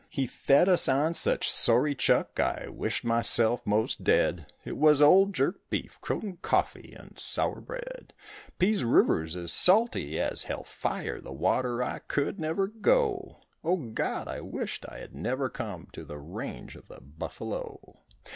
He fed us on such sorry chuck I wished myself most dead, It was old jerked beef, croton coffee, and sour bread. Pease River's as salty as hell fire, the water I could never go, O God! I wished I had never come to the range of the buffalo.